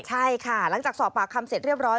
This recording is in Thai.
ใช่ค่ะหลังจากสอบปากคำเสร็จเรียบร้อย